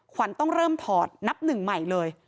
ขวัญต้องเริ่มถอดนับหนึ่งใหม่เลย